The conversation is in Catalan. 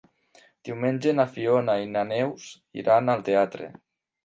Diumenge na Fiona i na Neus iran al teatre.